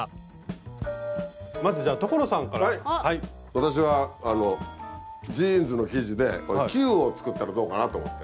私はあのジーンズの生地で球を作ったらどうかなと思って。